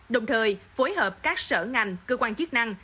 đồng thời phối hợp các sở ngành cơ quan chức năng